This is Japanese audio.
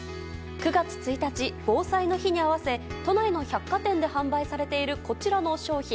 ９月１日、防災の日に合わせ都内の百貨店で販売されているこちらの商品。